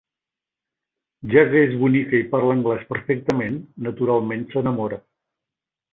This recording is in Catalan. Ja que és bonica i parla anglès perfectament, naturalment s'enamora.